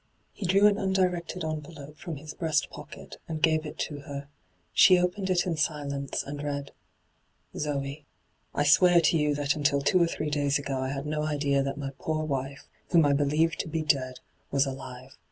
He drew an undirected envelope from his breast pocket, and gave it to her. She opened it in silence, and read : 'ZOB, ' I swear to you that until two or three days ago I had no idea that my poor ■ wife, whom I believed to be dead, was alive.